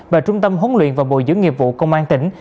và trung tâm huấn luyện và bồi dưỡng nghiệp vụ công an tỉnh